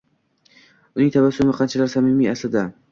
Uning tabassumi qanchalar samimiy aslida?